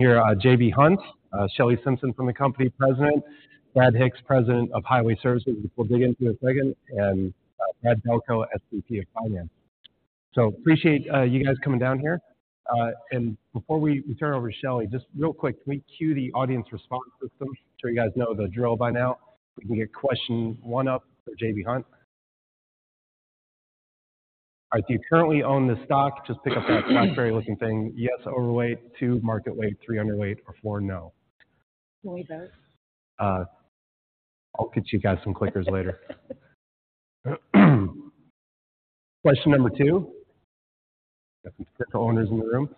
Here, J.B. Hunt, Shelley Simpson from the company, president; Brad Hicks, president of Highway Services, which we'll dig into in a second; and Brad Delco, SVP of Finance. So, appreciate you guys coming down here. Before we turn it over to Shelley, just real quick, can we cue the audience response system? I'm sure you guys know the drill by now. We can get question one up for J.B. Hunt. All right, do you currently own this stock? Just pick up that strawberry-looking thing. Yes, overweight; two, market weight; three, underweight; or four, no. Can we vote? I'll get you guys some clickers later. Question Number 2, got some potential owners in the room,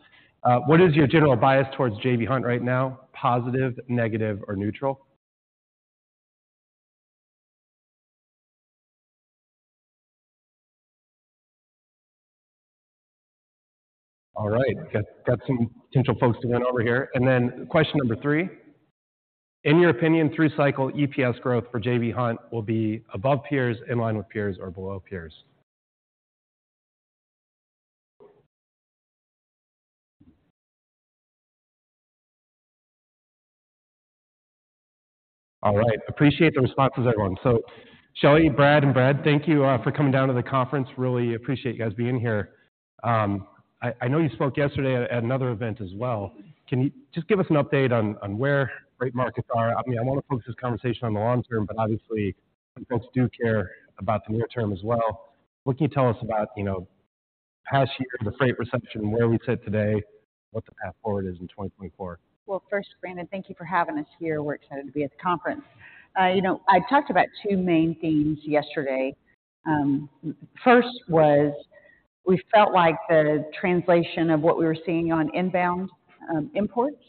what is your general bias towards J.B. Hunt right now? Positive, negative, or neutral? All right. Got some potential folks to run over here. Then question Number 3: in your opinion, through-cycle EPS growth for J.B. Hunt will be above peers, in line with peers, or below peers? All right. Appreciate the responses, everyone. So Shelley, Brad, and Brad, thank you for coming down to the conference. Really appreciate you guys being here. I know you spoke yesterday at another event as well. Can you just give us an update on where freight markets are? I mean, I want to focus this conversation on the long term, but obviously, some folks do care about the near term as well. What can you tell us about, you know, past year, the freight recession, where we sit today, what the path forward is in 2024? Well, first, Brandon, thank you for having us here. We're excited to be at the conference. You know, I talked about two main themes yesterday. First was we felt like the translation of what we were seeing on inbound, imports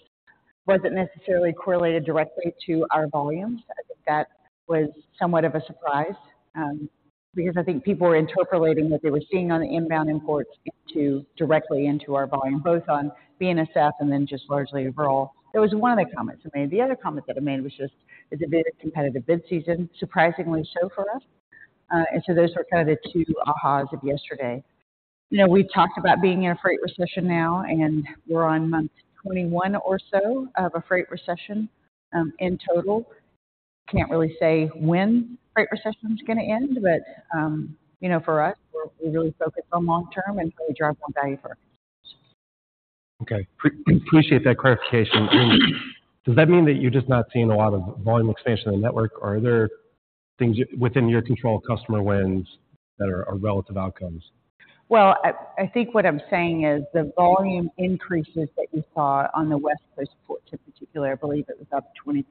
wasn't necessarily correlated directly to our volumes. I think that was somewhat of a surprise, because I think people were interpolating what they were seeing on the inbound imports into, directly into our volume, both on BNSF and then just largely overall. That was one of the comments I made. The other comment that I made was just it's a very competitive bid season, surprisingly so for us. And so those were kind of the two of yesterday. You know, we've talked about being in a freight recession now, and we're on month 21 or so of a freight recession, in total. Can't really say when freight recession's going to end, but, you know, for us, we're—we're really focused on long term and how we drive more value for our consumers. Okay. Appreciate that clarification. And does that mean that you're just not seeing a lot of volume expansion in the network, or are there things within your control of customer wins that are relative outcomes? Well, I think what I'm saying is the volume increases that you saw on the West Coast ports in particular, I believe it was up 20%,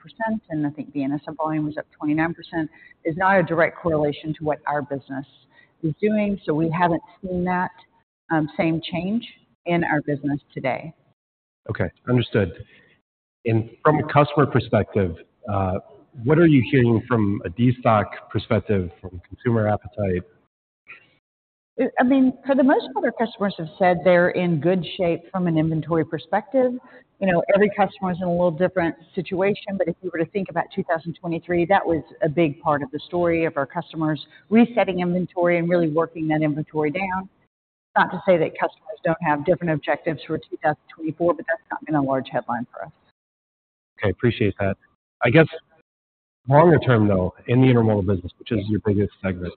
and I think BNSF volume was up 29%, is not a direct correlation to what our business is doing. So we haven't seen that same change in our business today. Okay. Understood. And from a customer perspective, what are you hearing from a destock perspective, from consumer appetite? I mean, for the most part, our customers have said they're in good shape from an inventory perspective. You know, every customer's in a little different situation, but if you were to think about 2023, that was a big part of the story of our customers resetting inventory and really working that inventory down. Not to say that customers don't have different objectives for 2024, but that's not been a large headline for us. Okay. Appreciate that. I guess longer term, though, in the intermodal business, which is your biggest segment,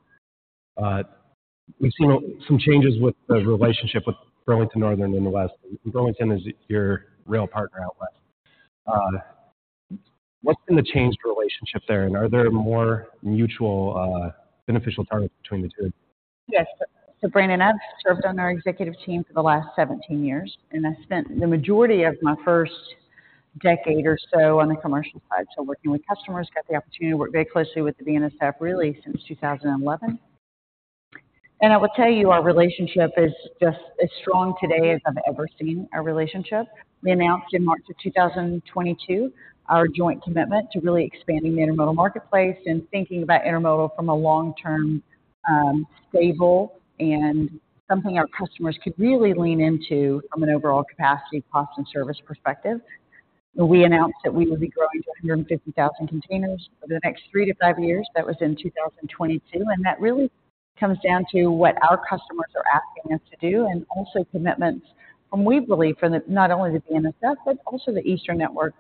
we've seen some changes with the relationship with BNSF and West. BNSF is your rail partner out west. What's been the changed relationship there, and are there more mutual, beneficial targets between the two? Yes. So, Brandon, I've served on our executive team for the last 17 years, and I spent the majority of my first decade or so on the commercial side, so working with customers. Got the opportunity to work very closely with the BNSF, really, since 2011. And I will tell you, our relationship is just as strong today as I've ever seen our relationship. We announced in March 2022 our joint commitment to really expanding the intermodal marketplace and thinking about intermodal from a long-term, stable and something our customers could really lean into from an overall capacity, cost, and service perspective. We announced that we would be growing to 150,000 containers over the next three to five years. That was in 2022. And that really comes down to what our customers are asking us to do and also commitments from, we believe, from not only the BNSF but also the eastern network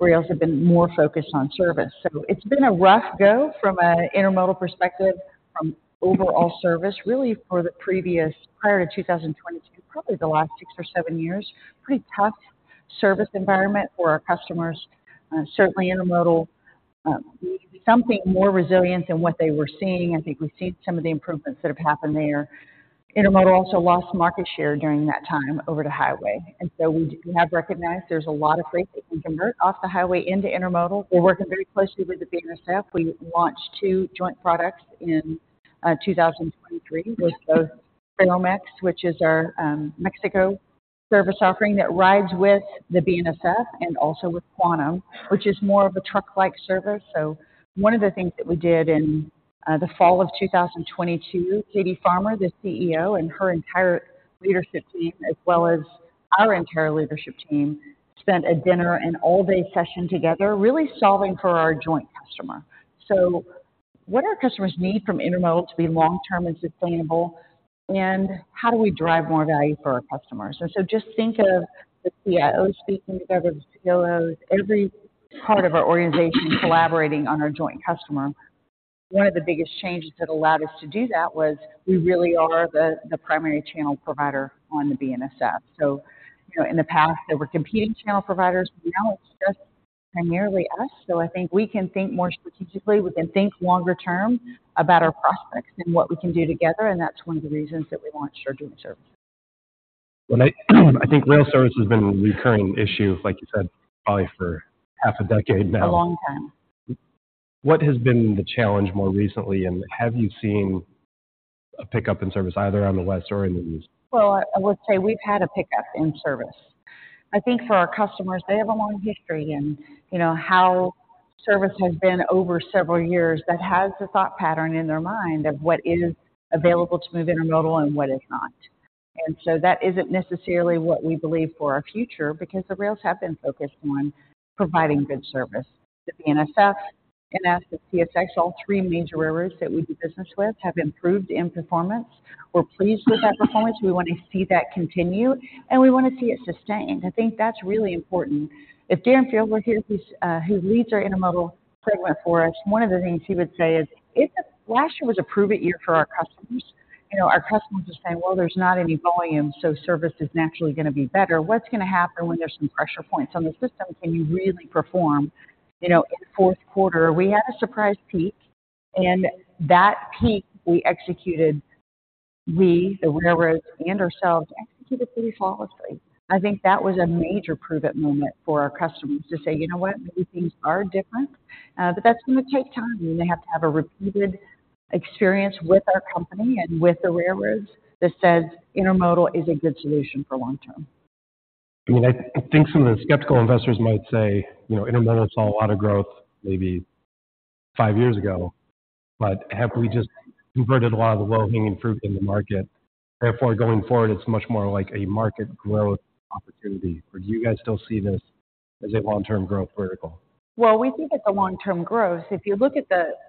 rails have been more focused on service. So it's been a rough go from an intermodal perspective, from overall service, really, for the previous prior to 2022, probably the last six or seven years. Pretty tough service environment for our customers. Certainly, intermodal needs something more resilient than what they were seeing. I think we've seen some of the improvements that have happened there. Intermodal also lost market share during that time over to highway. And so we do have recognized there's a lot of freight that can convert off the highway into intermodal. We're working very closely with the BNSF. We launched two joint products in 2023 with both Ferromex, which is our Mexico service offering that rides with the BNSF, and also with Quantum, which is more of a truck-like service. So one of the things that we did in the fall of 2022, Katie Farmer, the CEO, and her entire leadership team, as well as our entire leadership team, spent a dinner and all-day session together really solving for our joint customer. So what do our customers need from intermodal to be long-term and sustainable, and how do we drive more value for our customers? And so just think of the CIOs speaking together, the COOs, every part of our organization collaborating on our joint customer. One of the biggest changes that allowed us to do that was we really are the primary channel provider on the BNSF. So, you know, in the past, there were competing channel providers. Now it's just primarily us. So I think we can think more strategically. We can think longer term about our prospects and what we can do together. And that's one of the reasons that we launched our joint services. Well, I think rail service has been a recurring issue, like you said, probably for half a decade now. A long time. What has been the challenge more recently, and have you seen a pickup in service either on the West or in the East? Well, I will say we've had a pickup in service. I think for our customers, they have a long history in, you know, how service has been over several years that has a thought pattern in their mind of what is available to move intermodal and what is not. And so that isn't necessarily what we believe for our future because the rails have been focused on providing good service. The BNSF, NS, and CSX, all three major railroads that we do business with, have improved in performance. We're pleased with that performance. We want to see that continue, and we want to see it sustained. I think that's really important. If Darren Field were here, he's who leads our intermodal segment for us, one of the things he would say is, "If last year was a prove-it year for our customers, you know, our customers are saying, 'Well, there's not any volume, so service is naturally going to be better.' What's going to happen when there's some pressure points on the system? Can you really perform, you know, in fourth quarter?" We had a surprise peak, and that peak we executed, we, the railroads, and ourselves executed pretty flawlessly. I think that was a major prove-it moment for our customers to say, "You know what? Maybe things are different, but that's going to take time." And they have to have a repeated experience with our company and with the railroads that says intermodal is a good solution for long term. I mean, I think some of the skeptical investors might say, you know, intermodal saw a lot of growth maybe five years ago, but have we just converted a lot of the low-hanging fruit in the market? Therefore, going forward, it's much more like a market growth opportunity. Or do you guys still see this as a long-term growth vertical? Well, we think it's a long-term growth. If you look at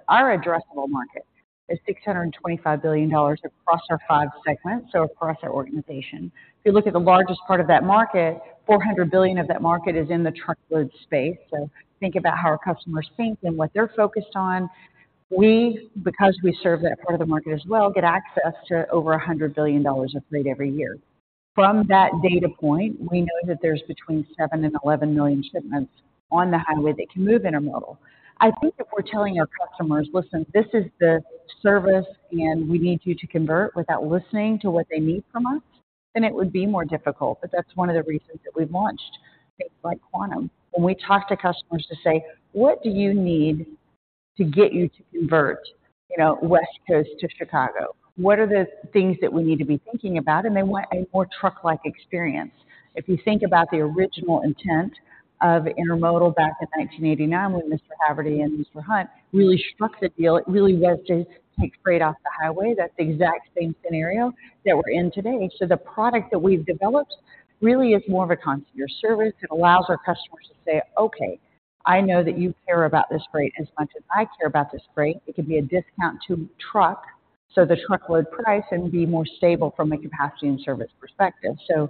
our addressable market, there's $625 billion across our 5 segments, so across our organization. If you look at the largest part of that market, $400 billion of that market is in the truckload space. So think about how our customers think and what they're focused on. We, because we serve that part of the market as well, get access to over $100 billion of freight every year. From that data point, we know that there's between 7 million and 11 million shipments on the highway that can move intermodal. I think if we're telling our customers, "Listen, this is the service, and we need you to convert," without listening to what they need from us, then it would be more difficult. But that's one of the reasons that we've launched things like Quantum. When we talk to customers to say, "What do you need to get you to convert, you know, West Coast to Chicago? What are the things that we need to be thinking about?" and they want a more truck-like experience. If you think about the original intent of intermodal back in 1989 when Mr. Haverty and Mr. Hunt really struck the deal, it really was to take freight off the highway. That's the exact same scenario that we're in today. So the product that we've developed really is more of a concierge service. It allows our customers to say, "Okay. I know that you care about this freight as much as I care about this freight. It could be a discount to truck, so the truckload price can be more stable from a capacity and service perspective. So,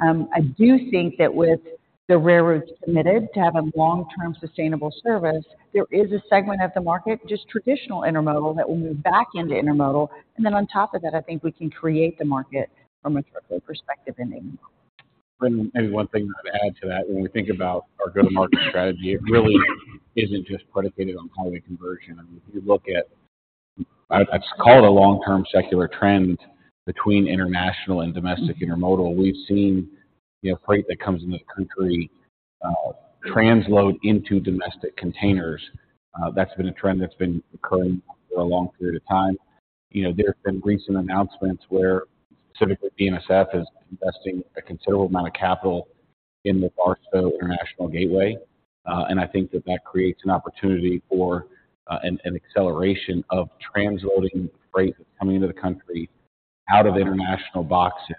I do think that with the railroads committed to having long-term sustainable service, there is a segment of the market, just traditional intermodal, that will move back into intermodal. And then on top of that, I think we can create the market from a truckload perspective in the intermodal. Brandon, maybe one thing I'd add to that. When we think about our go-to-market strategy, it really isn't just predicated on highway conversion. I mean, if you look at I would call it a long-term secular trend between international and domestic intermodal. We've seen, you know, freight that comes into the country, transload into domestic containers. That's been a trend that's been occurring for a long period of time. You know, there have been recent announcements where specifically BNSF is investing a considerable amount of capital in the Barstow International Gateway. And I think that creates an opportunity for an acceleration of transloading freight that's coming into the country out of international boxes,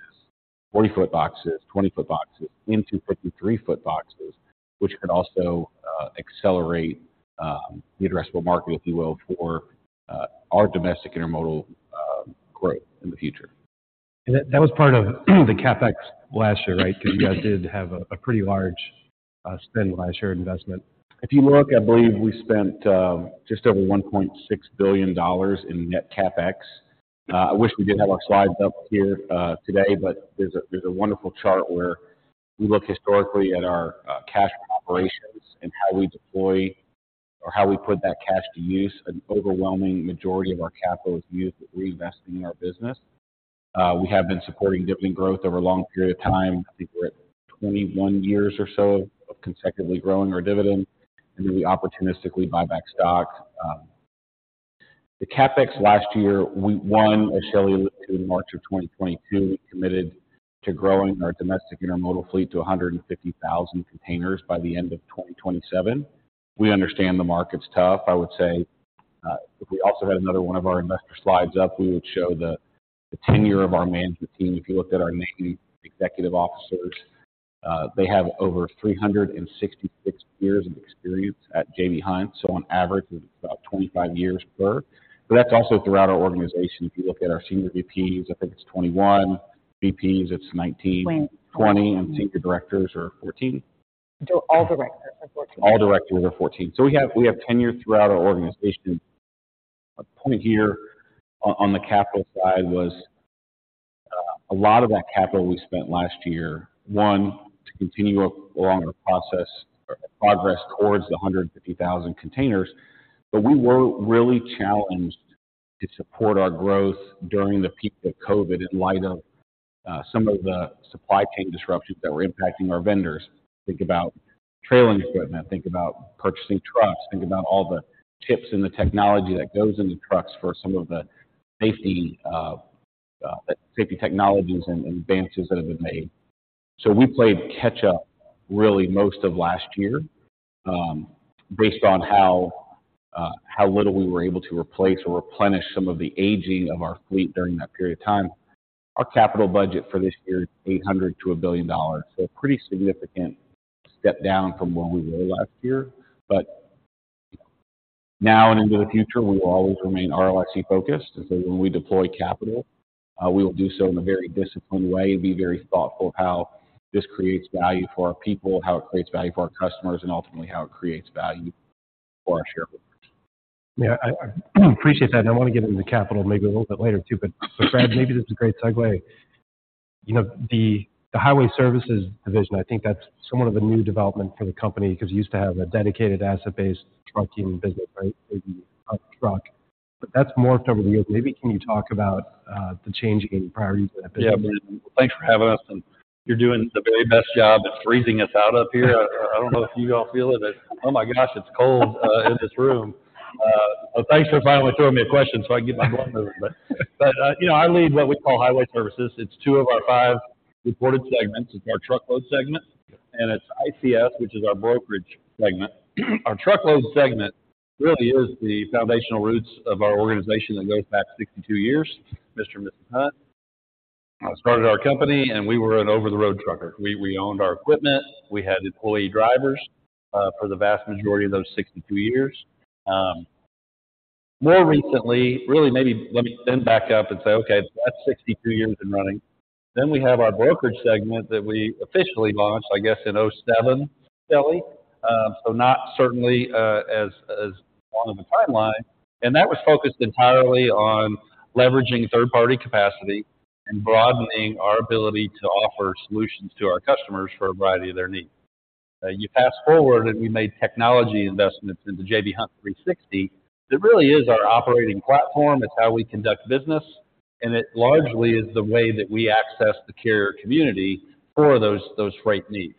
40-foot boxes, 20-foot boxes, into 53-foot boxes, which could also accelerate the addressable market, if you will, for our domestic intermodal growth in the future. And that, that was part of the CapEx last year, right? Because you guys did have a pretty large spend last year, investment. If you look, I believe we spent just over $1.6 billion in net CapEx. I wish we did have our slides up here today, but there's a wonderful chart where we look historically at our cash operations and how we deploy or how we put that cash to use. An overwhelming majority of our capital is used at reinvesting in our business. We have been supporting dividend growth over a long period of time. I think we're at 21 years or so of consecutively growing our dividend. And then we opportunistically buy back stock. The CapEx last year, we won as Shelley alluded to in March of 2022. We committed to growing our domestic intermodal fleet to 150,000 containers by the end of 2027. We understand the market's tough. I would say, if we also had another one of our investor slides up, we would show the tenure of our management team. If you looked at our named executive officers, they have over 366 years of experience at J.B. Hunt. So on average, it's about 25 years per. But that's also throughout our organization. If you look at our senior VPs, I think it's 21. VPs, it's 19. 20. 20. Senior directors are 14. All directors are 14. All directors are 14. So we have tenure throughout our organization. A point here on the capital side was a lot of that capital we spent last year, one, to continue along our process or our progress towards the 150,000 containers. But we were really challenged to support our growth during the peak of COVID in light of some of the supply chain disruptions that were impacting our vendors. Think about trailing equipment. Think about purchasing trucks. Think about all the chips and the technology that goes into trucks for some of the safety technologies and advances that have been made. So we played catch-up, really, most of last year, based on how little we were able to replace or replenish some of the aging of our fleet during that period of time. Our capital budget for this year is $800 million-$1 billion. So a pretty significant step down from where we were last year. But now and into the future, we will always remain ROIC-focused. And so when we deploy capital, we will do so in a very disciplined way and be very thoughtful of how this creates value for our people, how it creates value for our customers, and ultimately how it creates value for our shareholders. Yeah. I appreciate that. And I want to get into capital maybe a little bit later too. But Brad, maybe this is a great segue. You know, the Highway Services division, I think that's somewhat of a new development for the company because it used to have a dedicated asset-based trucking business, right? Maybe a truck. But that's morphed over the years. Maybe can you talk about the changing priorities in that business? Yeah, Brandon. Well, thanks for having us. And you're doing the very best job at freezing us out up here. I, I don't know if you all feel it. It's oh my gosh, it's cold in this room. So thanks for finally throwing me a question so I can get my blood moving. But, but, you know, I lead what we call Highway Services. It's two of our five reported segments. It's our truckload segment. And it's ICS, which is our brokerage segment. Our truckload segment really is the foundational roots of our organization that goes back 62 years, Mr. and Mrs. Hunt. I started our company, and we were an over-the-road trucker. We, we owned our equipment. We had employee drivers, for the vast majority of those 62 years. More recently, really, maybe let me bend back up and say, "Okay. That's 62 years in running." Then we have our brokerage segment that we officially launched, I guess, in 2007. Shelley, so not as long of a timeline. And that was focused entirely on leveraging third-party capacity and broadening our ability to offer solutions to our customers for a variety of their needs. You fast-forward, and we made technology investments into J.B. Hunt 360. It really is our operating platform. It's how we conduct business. And it largely is the way that we access the carrier community for those freight needs.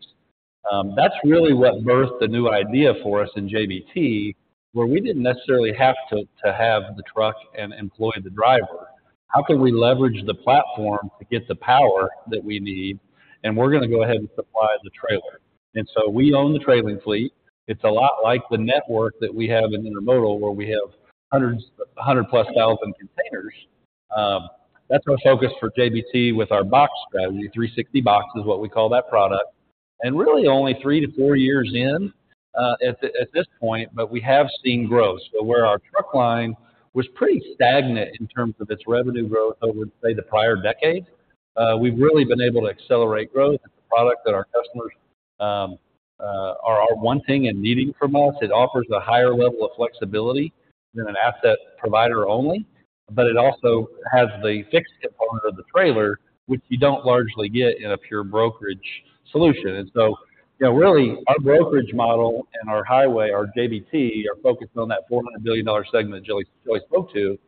That's really what birthed the new idea for us in JBT, where we didn't necessarily have to have the truck and employ the driver. How can we leverage the platform to get the power that we need? And we're going to go ahead and supply the trailer. And so we own the trailer fleet. It's a lot like the network that we have in intermodal, where we have hundreds, 100+ thousand containers. That's our focus for JBT with our box strategy. 360box is what we call that product. And really, only 3-4 years in, at this point, but we have seen growth. So where our truck line was pretty stagnant in terms of its revenue growth over, say, the prior decade, we've really been able to accelerate growth. It's a product that our customers are wanting and needing from us. It offers a higher level of flexibility than an asset provider only. But it also has the fixed component of the trailer, which you don't largely get in a pure brokerage solution. And so, you know, really, our brokerage model and our highway, our JBT, are focused on that $400 billion segment that Shelley spoke to.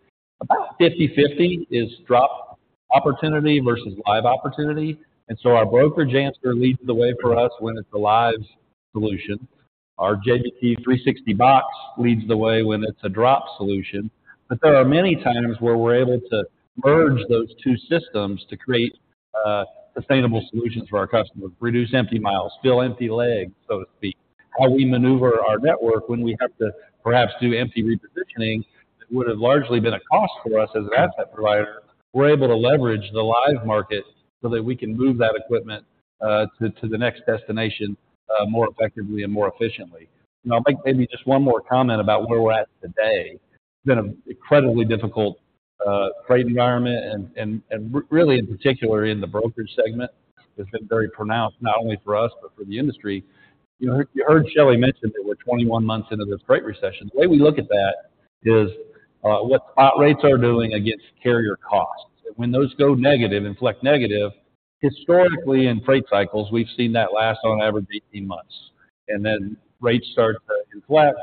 About 50/50 is drop opportunity versus live opportunity. So our brokerage answer leads the way for us when it's a live solution. Our JBT 360box leads the way when it's a drop solution. But there are many times where we're able to merge those two systems to create sustainable solutions for our customers, reduce empty miles, fill empty legs, so to speak, how we maneuver our network when we have to perhaps do empty repositioning that would have largely been a cost for us as an asset provider. We're able to leverage the live market so that we can move that equipment to the next destination more effectively and more efficiently. I'll make maybe just one more comment about where we're at today. It's been an incredibly difficult freight environment. Really, in particular, in the brokerage segment, it's been very pronounced not only for us but for the industry. You know, you heard Shelley mention that we're 21 months into this freight recession. The way we look at that is, what spot rates are doing against carrier costs. And when those go negative, inflect negative, historically, in freight cycles, we've seen that last on average 18 months. And then rates start to inflect.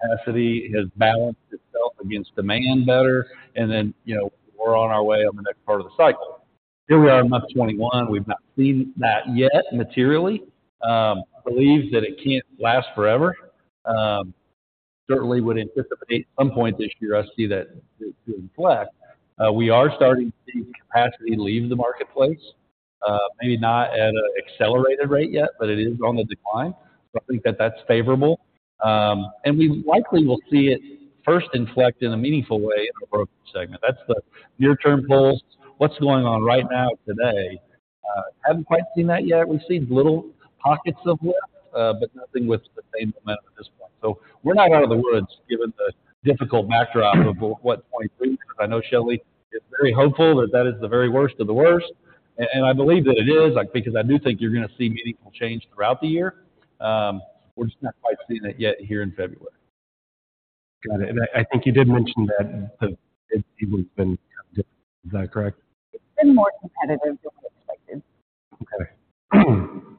Capacity has balanced itself against demand better. And then, you know, we're on our way on the next part of the cycle. Here we are in month 21. We've not seen that yet materially. I believe that it can't last forever. Certainly would anticipate at some point this year us see that inflect. We are starting to see capacity leave the marketplace, maybe not at an accelerated rate yet, but it is on the decline. So I think that that's favorable. We likely will see it first inflect in a meaningful way in our brokerage segment. That's the near-term polls. What's going on right now today? Haven't quite seen that yet. We've seen little pockets of lift, but nothing with the same momentum at this point. So we're not out of the woods given the difficult backdrop of what 2023 because I know Shelley is very hopeful that that is the very worst of the worst. And I believe that it is because I do think you're going to see meaningful change throughout the year. We're just not quite seeing it yet here in February. Got it. And I, I think you did mention that the bid season's been kind of different. Is that correct? It's been more competitive than we expected.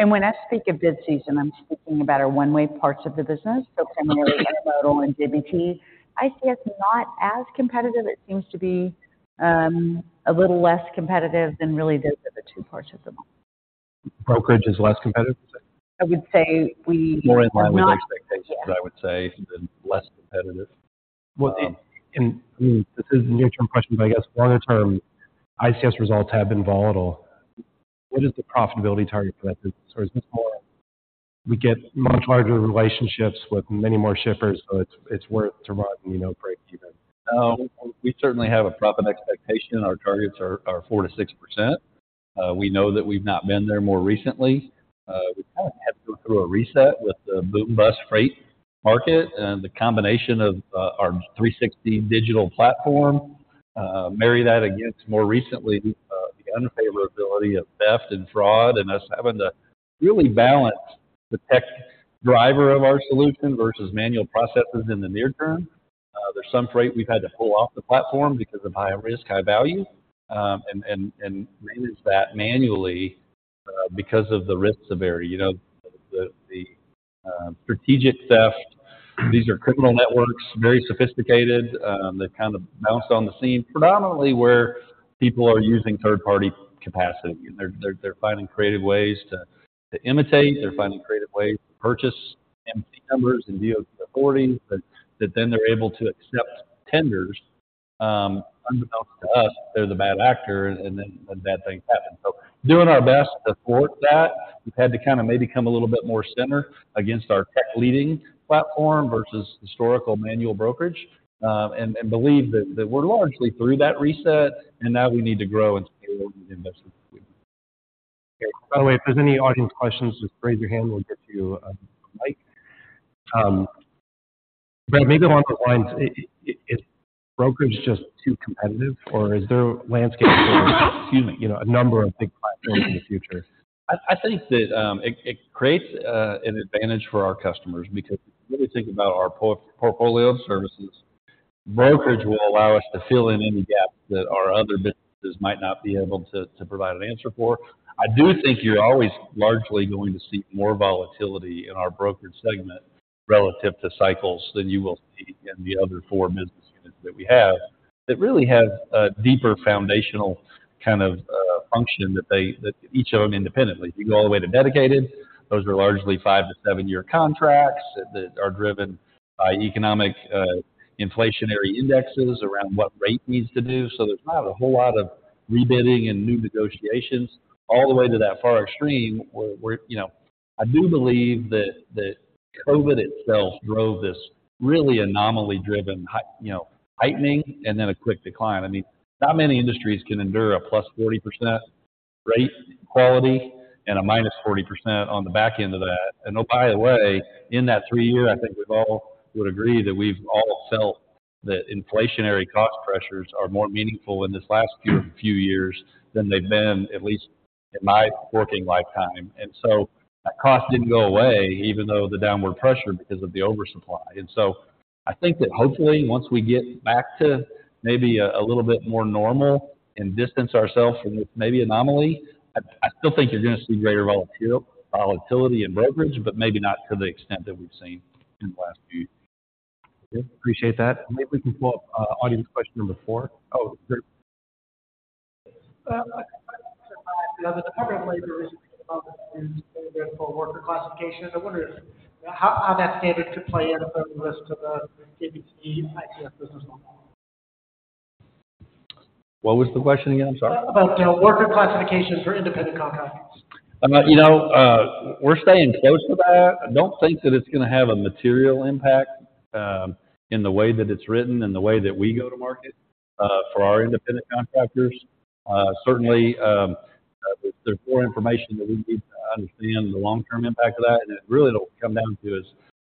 Okay. When I speak of bid season, I'm speaking about our one-way parts of the business. Primarily intermodal and JBT. ICS, not as competitive. It seems to be a little less competitive than really those other two parts of the market. Brokerage is less competitive, you'd say? I would say we. More in line with expectations, I would say, than less competitive. Well, and I mean, this is a near-term question, but I guess longer-term, ICS results have been volatile. What is the profitability target for that business? Or is this more we get much larger relationships with many more shippers, so it's worth to run, you know, break even? No. We certainly have a profit expectation. Our targets are 4%-6%. We know that we've not been there more recently. We kind of had to go through a reset with the boom-bust freight market and the combination of our 360 digital platform. Marry that against, more recently, the unfavorability of theft and fraud and us having to really balance the tech driver of our solution versus manual processes in the near term. There's some freight we've had to pull off the platform because of high risk, high value, and manage that manually, because of the risk severity. You know, the strategic theft, these are criminal networks, very sophisticated. They've kind of bounced on the scene, predominantly where people are using third-party capacity. And they're finding creative ways to imitate. They're finding creative ways to purchase MC numbers and DOT authorities that, that then they're able to accept tenders. Unbeknownst to us, they're the bad actor, and then the bad things happen. So doing our best to thwart that, we've had to kind of maybe come a little bit more center against our tech-leading platform versus historical manual brokerage, and, and believe that, that we're largely through that reset. And now we need to grow and scale in the investments that we make. Okay. By the way, if there's any audience questions, just raise your hand. We'll get you a mic. Brad, maybe along those lines, is brokerage just too competitive, or is there a landscape for, excuse me, you know, a number of big platforms in the future? I think that it creates an advantage for our customers because if you really think about our portfolio of services, brokerage will allow us to fill in any gaps that our other businesses might not be able to provide an answer for. I do think you're always largely going to see more volatility in our brokerage segment relative to cycles than you will see in the other four business units that we have that really have a deeper foundational kind of function that each of them independently. If you go all the way to dedicated, those are largely five to sevenyear contracts that are driven by economic, inflationary indexes around what rate needs to do. So there's not a whole lot of rebidding and new negotiations all the way to that far extreme where, you know, I do believe that COVID itself drove this really anomaly-driven high, you know, heightening and then a quick decline. I mean, not many industries can endure a +40% rate quality and a -40% on the back end of that. And oh, by the way, in that three-year, I think we all would agree that we've all felt that inflationary cost pressures are more meaningful in this last few years than they've been, at least in my working lifetime. And so that cost didn't go away even though the downward pressure because of the oversupply. So I think that, hopefully, once we get back to maybe a little bit more normal and distance ourselves from this maybe anomaly, I still think you're going to see greater volatility in brokerage, but maybe not to the extent that we've seen in the last few years. Okay. Appreciate that. Maybe we can pull up, audience question number four. Oh, Jeremy. I think the Department of Labor recently came out with a new standard for worker classification. I wonder if, you know, how that standard could play in further lift to the JBT ICS business model. What was the question again? I'm sorry. About worker classification for independent contractors. You know, we're staying close to that. I don't think that it's going to have a material impact, in the way that it's written and the way that we go to market, for our independent contractors. Certainly, there's, there's more information that we need to understand the long-term impact of that. And it really don't come down to us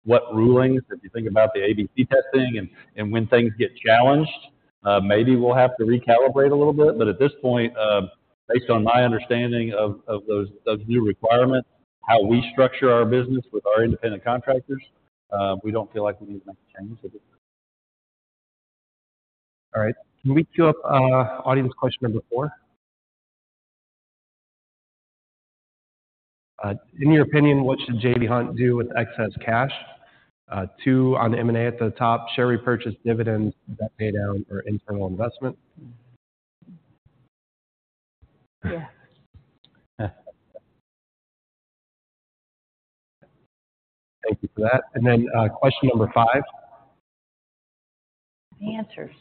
what rulings. If you think about the ABC testing and, and when things get challenged, maybe we'll have to recalibrate a little bit. But at this point, based on my understanding of, of those, those new requirements, how we structure our business with our independent contractors, we don't feel like we need to make a change at this point. All right. Can we queue up, audience question Number 4? In your opinion, what should J.B. Hunt do with excess cash? Two on the M&A at the top. Share repurchase, dividends. Is that paydown or internal investment? Yes. Thank you for that. And then, question Number 5? The answers.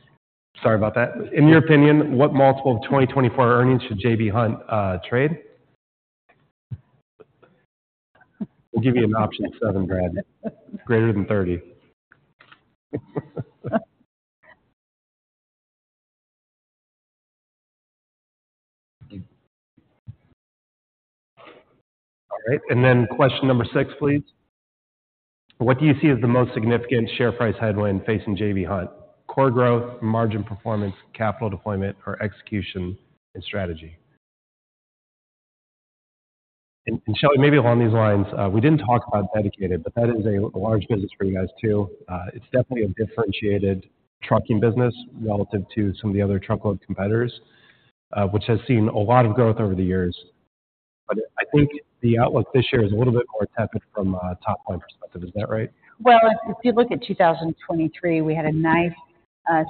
Sorry about that. In your opinion, what multiple of 2024 earnings should J.B. Hunt trade? We'll give you an option seven, Brad. Greater than 30. All right. And then question Number 6, please. What do you see as the most significant share price headwind facing J.B. Hunt? Core growth, margin performance, capital deployment, or execution and strategy? And, and Shelley, maybe along these lines, we didn't talk about dedicated, but that is a, a large business for you guys too. It's definitely a differentiated trucking business relative to some of the other truckload competitors, which has seen a lot of growth over the years. But I think the outlook this year is a little bit more tepid from a top-line perspective. Is that right? Well, if you look at 2023, we had a nice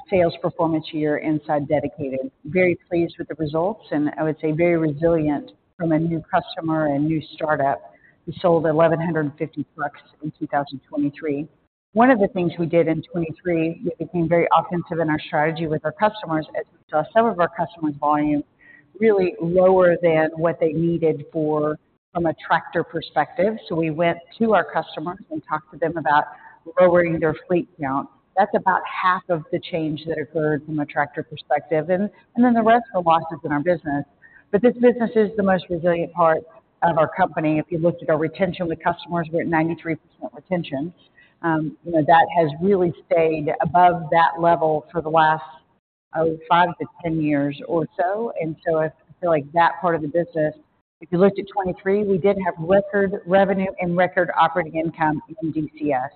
sales performance year inside dedicated. Very pleased with the results. And I would say very resilient from a new customer and new startup. We sold 1,150 trucks in 2023. One of the things we did in 2023, we became very offensive in our strategy with our customers as we saw some of our customers' volume really lower than what they needed from a tractor perspective. So we went to our customers and talked to them about lowering their fleet count. That's about half of the change that occurred from a tractor perspective. And then the rest were losses in our business. But this business is the most resilient part of our company. If you looked at our retention with customers, we're at 93% retention. You know, that has really stayed above that level for the last, oh, five to 10 years or so. And so I, I feel like that part of the business, if you looked at 2023, we did have record revenue and record operating income in DCS.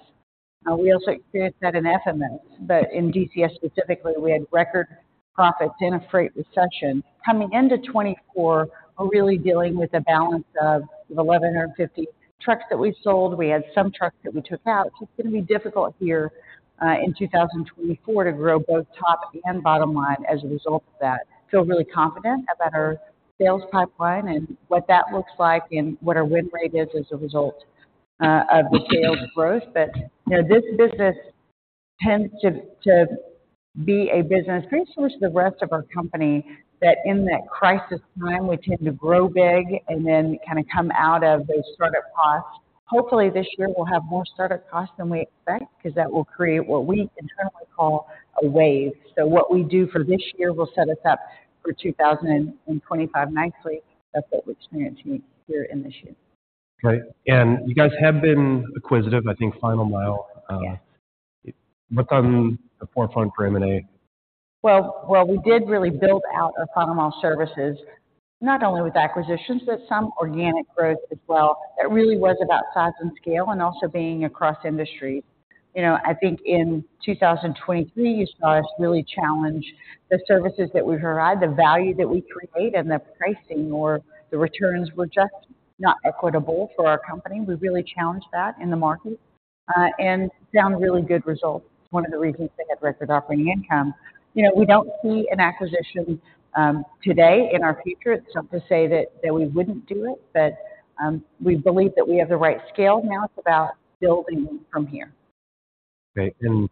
We also experienced that in FMS. But in DCS specifically, we had record profits in a freight recession. Coming into 2024, we're really dealing with a balance of, of 1,150 trucks that we've sold. We had some trucks that we took out. So it's going to be difficult here, in 2024 to grow both top and bottom line as a result of that. Feel really confident about our sales pipeline and what that looks like and what our win rate is as a result, of the sales growth. But, you know, this business tends to be a business pretty similar to the rest of our company that, in that crisis time, we tend to grow big and then kind of come out of those startup costs. Hopefully, this year, we'll have more startup costs than we expect because that will create what we internally call a wave. So what we do for this year will set us up for 2025 nicely. That's what we're experiencing here in this year. Okay. And you guys have been acquisitive, I think, Final Mile. Yes. What's on the forefront for M&A? Well, well, we did really build out our Final Mile Services, not only with acquisitions, but some organic growth as well. That really was about size and scale and also being across industries. You know, I think in 2023, you saw us really challenge the services that we provide, the value that we create, and the pricing or the returns were just not equitable for our company. We really challenged that in the market, and found really good results. It's one of the reasons they had record operating income. You know, we don't see an acquisition, today in our future. It's not to say that, that we wouldn't do it. But, we believe that we have the right scale. Now it's about building from here. Okay. You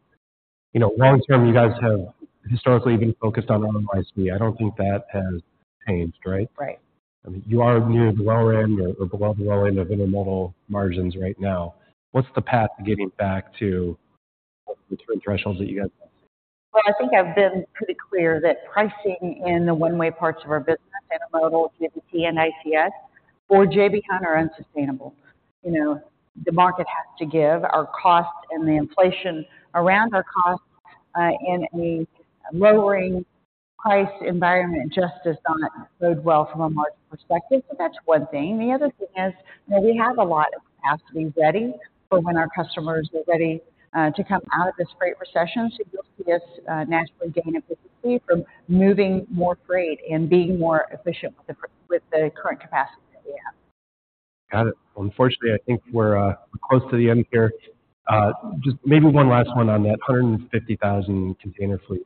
know, long-term, you guys have historically even focused on ROIC. I don't think that has changed, right? Right. I mean, you are near the low end or, or below the low end of intermodal margins right now. What's the path to getting back to the return thresholds that you guys are seeing? Well, I think I've been pretty clear that pricing in the one-way parts of our business, intermodal, JBT, and ICS, for J.B. Hunt, are unsustainable. You know, the market has to give. Our costs and the inflation around our costs, in a lowering price environment, just does not bode well from a margin perspective. So that's one thing. The other thing is, you know, we have a lot of capacity ready for when our customers are ready, to come out of this freight recession. So you'll see us, naturally gain efficiency from moving more freight and being more efficient with the freight with the current capacity that we have. Got it. Well, unfortunately, I think we're close to the end here. Just maybe one last one on that 150,000 container fleet.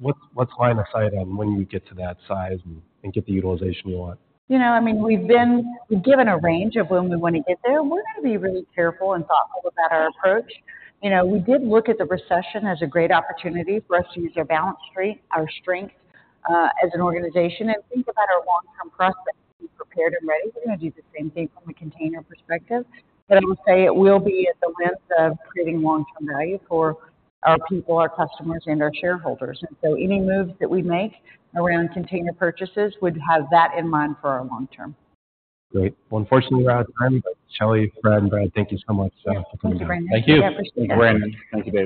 What's lying in sight on when you get to that size and get the utilization you want? You know, I mean, we've given a range of when we want to get there. We're going to be really careful and thoughtful about our approach. You know, we did look at the recession as a great opportunity for us to use our balance sheet strength, our strengths, as an organization and think about our long-term prospects to be prepared and ready. We're going to do the same thing from a container perspective. But I will say it will be through the lens of creating long-term value for our people, our customers, and our shareholders. And so any moves that we make around container purchases would have that in mind for our long term. Great. Well, unfortunately, we're out of time. Shelley, Brad, and Brad, thank you so much for coming in. Thank you, Brandon. Thank you. Thank you, Brandon. Thank you, Brandon.